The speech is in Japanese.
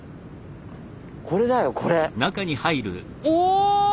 これだよこれ。